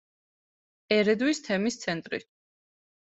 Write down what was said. ერედვის თემის ცენტრი.